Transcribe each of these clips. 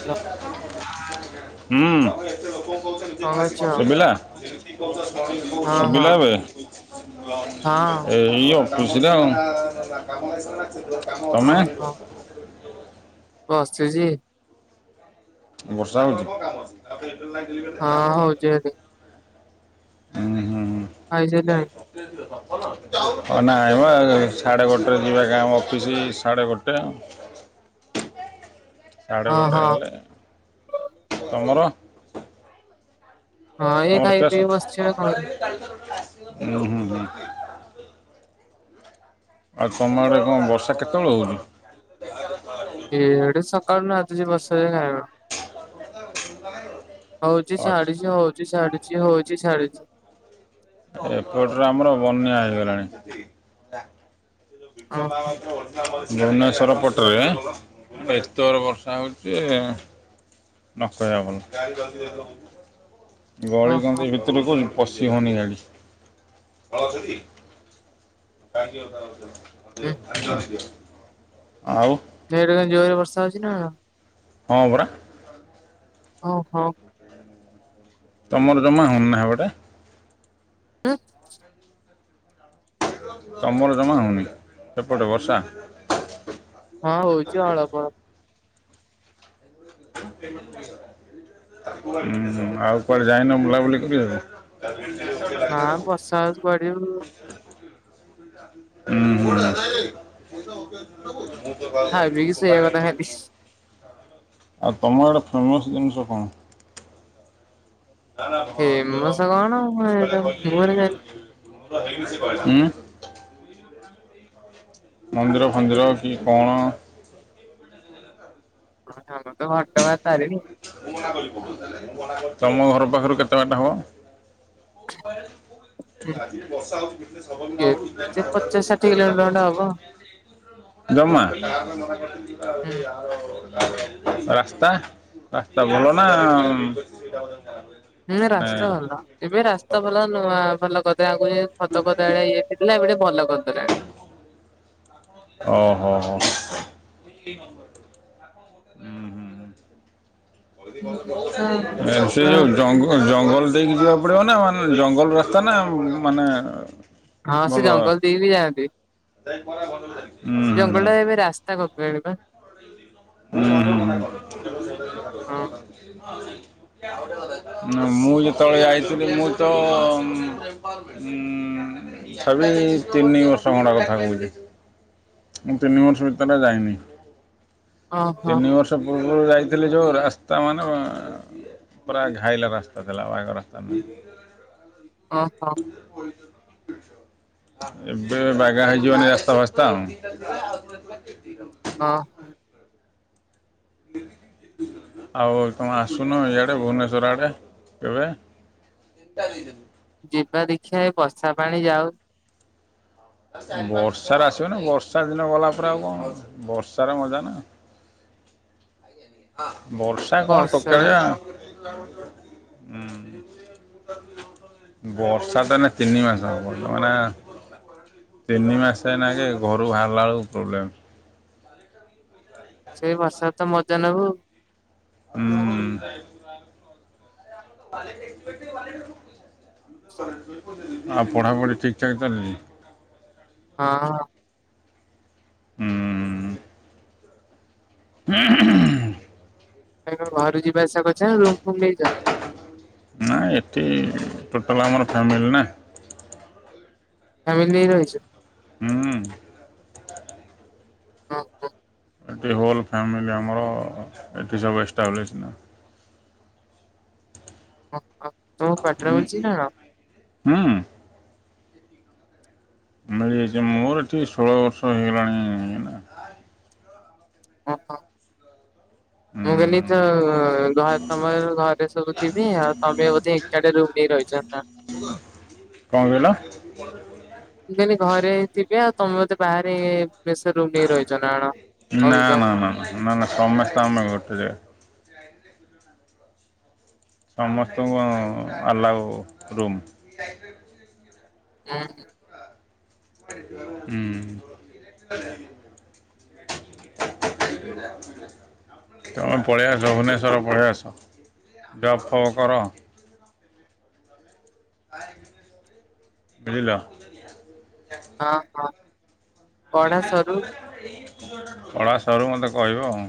Hello କଣ କରୁଛ? ସୁବିଲା? ହଁ ସୁବିଲା ହଁ ଏବେ? ହଁ ଏ ଏଇ ଅଫିସିରେ ଆଉ। ତମେ? [inaudible] ଓହୋ ବସିଛି। ବର୍ଷା ହଉଛି? ଉଁ ହଁ ହଉଛି ଏଠି ହୁଁ, ହୁଁ। ଖାଇସାରିଲଣି? ହଁ, ନାଇଁ ମ ଏ ସାଢ଼େ ଗୋଟେରେ ଯିବା କାମ ଅଫିସ୍ ସାଢ଼େ ଗୋଟେ। ସାଢ଼େ ହଁ ଗୋଟେ ହଁ ହେଲେ, ତମର! ହଁ ଏଇ ଖାଇ ପିଇ ଅଡ଼୍ ବସିଛି ଆଉ କଣ ଚାଶ କରିବି ଉ ହୁଁ, ହୁଁ। ଆଉ ତମ ଆଡେ କଣ, ବର୍ଷା କେତେବେଳେ ହଉଛି? [inaudible] ଏଆଡେ ସକାଳୁ ନାଦୁଛି ବର୍ଷା ଯେ କାହିଁ ରେ କଣ? ହଉଛି, ଆଚ୍ଛା ଛାଡିଛି, ହଉଛି, ଛାଡିଛି, ହଉଛି, ଛାଡିଛି। ଏପଟରେ ଆମର ବନ୍ୟା ହେଇଗଲାଣି। ହଁ ଭୁବନେଶ୍ୱର ପଟରେଁ, ଏତେଅର୍ ବର୍ଷା ହଉଚିଁ! ନ କହିଆ ଭଲ। ହଁ ଗଳି ହଁ କନ୍ଦୀ ଭିତ୍ ତ ବିକୁନ୍ ପଶି ହଉନି ଗାଡି। ହୁଁ ଆଉ। ହେଆଡେ କଁ ଜୋର୍ ରେ ବର୍ଷା ହଉଛି ନା କଣ? ହଁ ପରା। ଓହୋ। ତମର ଜମା ଅନାଵାଢି ଆଁ। ତମର ଜମା ହଉନି ସେପଟେ ବର୍ଷା। ହଁ ହଉଛି ଅଳପ ଅଳପ। ଉଁ ହୁଁ ଆଉ କୁଆଡେ ଯାଇନ ବୁଲାବୁଲି କରିବାକୁ। ନା ବର୍ଷା ହଉଛି କୁଆଡେ ଯିବୁ [unintelligible] ଖାଇ ପିଇକି ଶୋଇବା କଥା ଖାଲି ଉଁ। ଆଉ ତମଆଡେ ଫେମସ୍ ଜିନିଷ କଣ? ଫେମସ କଣ [unintelligible] ଉଁ। ମନ୍ଦିର ଫନ୍ଦିର କି କଣ? ହଁ ଆମର ତ ଘଟଗାଁ ତାରିଣୀ। ତମ ଘର ପାଖରୁ କେତେ ବାଟ ହବ? [unintelligible] କେତେ ପଚାଶ ଷାଠିଏ କିଲୋମିଟର ଖଣ୍ଡେ ହବ [unintelligible] ଜମା। ହୁଁ। ରାସ୍ତା ରାସ୍ତା ଭଲ ନା। ହୁଁ ମାନେ ରାସ୍ତା ଭଲ ଏବେ ରାସ୍ତା ଭଲ ନୂଆ ଭଲ କରିଦେଲେ ଆଗରୁ। ଖଦ ଖଦଡା ଇଏ ଥିଲା ଏବେ ଟିକେ ଭଲ କରିଦେଲାଣି। ଅ ହ ହ। [unintelligible] ନାଇଁ ସେ ଯୋଉ ଜଙ୍ଗ ଜଙ୍ଗଲ। ଦେଇକି ଯିବାକୁ ପଡିବ ନା ମାନେ ଜଙ୍ଗଲ ରାସ୍ତା ନା ମାନେ। ହଁ ସେଇ ଜଙ୍ଗଲ ଦେଇକି ବି ଯାଆନ୍ତି। ଉଁ। ସେ ଜଙ୍ଗଲଟା ଏବେ ରାସ୍ତା କରଦେଲେଣି ବା। ଉଁ ହୁଁ ହଁ ହୁଁ। ନା ମୁଁ ଯେତେବେଳେ ଯାଇଥିଲି ମୁଁ ତ। ହୁଁ ତଥାବି ତିନି ବର୍ଷ ଖଣ୍ଡେ କଥା କହୁଛି। ମୁଁ ତିନି ବର୍ଷ ଭିତରେ ଯାଇନି। ଓହୋ ତିନି ବର୍ଷ ପୂର୍ବରୁ ଯାଇଥିଲି ଯୋଉ ରାସ୍ତା ମାନେ। ପୁରା ଘାଇଲା ରାସ୍ତା ଥିଲା ବାଗ ରାସ୍ତା ନଥିଲା। ଓ ହୋ। ଏବେ ବାଗା ହେଇ ଯିବଣି ରାସ୍ତା ଫାସ୍ତା। [unintelligible] ହଁ। ଆଉ ତମେ ଆସୁନ ଇଆଡ଼େ ଭୁବନେଶ୍ୱର ଆଡ଼େ କେବେ। ଯିବା ଦେଖିବା ଏ ବଷା ପାଣି ଯାଉ। ବର୍ଷାରେ ଆସିବ ନା ବର୍ଷା ଦିନ ଗଲା ପରେ ଆଉ କଁ ବର୍ଷାରେ ମଜା ନା। ବର୍ଷା କଣ ବର୍ଷାରେ ଟୋକାଳିଆ ହୁଁ। ବର୍ଷା ତ ଏଇନେ ତିନି ମାସ ହବ ବର୍ତ୍ତମାନେ। ତିନି ମାସେ ଏଇନାକେ ଘରୁ ବାହାରିଲା ବେଳକୁ ପ୍ରୋବ୍ଲେମ୍। ସେଇ ବର୍ଷ। ତୁ ମଜା ନବୁ। ହୁଁ। ଆଉ ପଢ଼ାପଢ଼ି ଠିକ୍ ଠାକ୍ ଚାଲିଚି? ହଁ। ହୁଁଁ ଉ। ହୁଁ ଉ ହୁଁ। ଭାଇ ତମେ ଘରୁ ଯିବା ଆସିବା କରୁଛ ନା ରୁମ ଫୁମ ନେଇଚ? ନା ଏଠି ଟୋଟାଲ ଆମର ଫ୍ୟାମିଲି ନା ଫ୍ୟାମିଲି ରହିଛ? ହୁଁ ଉ। ହଁ ହ। ଏଠି ହୋଲ୍ ଫ୍ୟାମିଲି ଆମର ଏଠି ସବୁ ଏଷ୍ଟାବ୍ଲିସ୍ ନା। ହଁ ହଁ। ହୁଁ। ମିଳିଯାଇଛି ମୋର ଏଠି ଷୋହଳ ବର୍ଷ ହେଇଗଲାଣି ଏଇନା ହଁ ହ। ମୁଁ କହିଲି ତ ହୁଁ ଯାହା ତମର ଘରେ ସବୁ ଥିବେ ଆଉ ତମେ ବୋଧେ ଏକାଟିଆ ରୁମ୍ ନେଇ ରହିଛ ନା? କଣ କହିଲ? ମୁଁ କହିଲି ଘରେ ଥିବେ ଆଉ ତମେ ବଧେ ବାହାରେ ପେସେ ରୁମ୍ ନେଇକି ରହିଚ ନା କଣ ନା ଅଲଗା ନା ନା ନା ନା ନା ସମସ୍ତେ ଆମେ ଗୋଟେ ଜାଗାରେ। ସମସ୍ତଙ୍କୁ ଆଲାଉ ରୁମ୍। ଯାଇଥିଲି [unintelligible] ହୁଁ। ହୁଁ। ତମେ ପଳେଇ ଆସ ଭୁବନେଶ୍ଵର ପଳେଇ ଆସ। ଜବ୍ ଫବ୍ କର। ବୁଝିଲ? ହଁ ହଁ। ପଢା ସରୁ କଳା ସରୁ ମୋତେ କହିବ ଆଉ।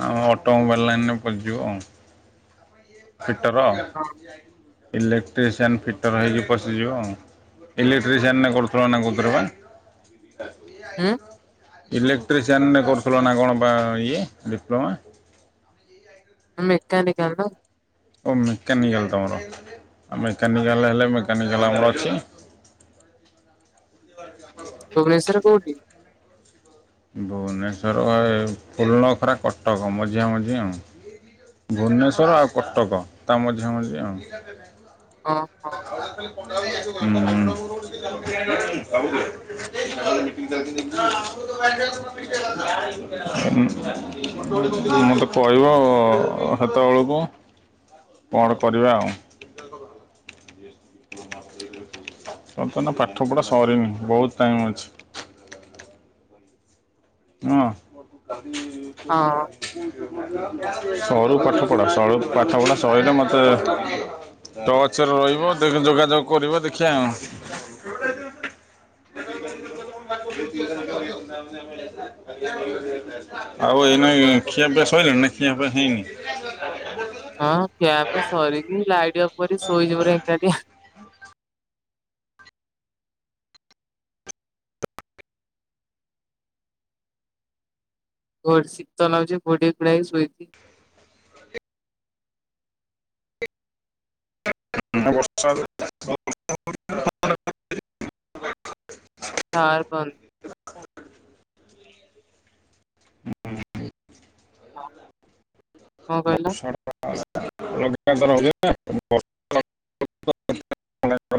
ଆ ଅଟୋ ମୋବାଇଲ ଲାଇନରେ ପସଯିବ ଆଉ। ଫିଟର ଇଲେକ୍ଟ୍ରିସିଆନ୍ ଫିଟର୍ ହେଇକି ପଶିଯିବ ଆଉ। ଇଲେକ୍ଟ୍ରିସିଆନ ରେ କରୁଥିଲ ନା କୋଉଥିରେ ବା? ହୁଁ ଇଲେକ୍ଟ୍ରିସିଆନରେ କରୁଥିଲ ନା କଣ ବା ଇଏ ଡିପ୍ଲୋମା? ମେକାନିକାଲ ବା? ଓ ମେକାନିକାଲ୍ ତମର ଆ ମେକାନିକାଲ୍ ହେଲେ ମେକାନିକାଲ୍ ଆମର ଅଛି। ଭୁବନେଶ୍ୱର୍ ରେ କୋଉଠି? ଭୁବନେଶ୍ୱର ବା ଏ ଫୁଲନଖରା କଟକ ମଝିଆ ମଝି ଆଉଁ। ଭୁବନେଶ୍ୱର ଆଉ କଟକ ତା ମଝିଆ ମଝିଆ ଆଉ। କଣ? ହୁଁ। [unintelligible] [inaudible] [inaudible] ମୋତେ କହିବ ହେତବେଳକୁ। [inaudible] କଣ କରିବା ଆଉ? [unintelligible] [inaudible] [unintelligible] ପାଠପଢ଼ା ସରିନି ବହୁତ ଟାଇମ୍ ଅଛି। ହଁ ସରୁ ପାଠ ପଢା ସରୁ। ପାଠ ପଢ଼ା ହଁ। ସରିଲେ ମୋତେ ଟଚରେ ରହିବ, ଦେଖ ଯୋଗାଯୋଗ କରିବା ଦେଖିବା। [inaudible] ଆଉ ଏଇ ନାଇ ଖିଆ ପିଆ ସଇଲାଣି ନା ଖିଆ ପିଆ ହେଇନି? [inaudible] ହଁ ଖିଆ ପିୟା ସରିିକି ଲାଇଟ ବନ୍ଦକରି ଶୋଇଯିବ ଏକୁଟିଆ। ବହୁତ ଶୀତ ଲାଗୁଛି ଘୋଡେ ଘୁଡା ହେଇକି ଶୋଇଛିି। [unintelligible] ଟାୱାର ପାଉନି। କଣ କହିଲ? [unintelligible] ବର୍ଷା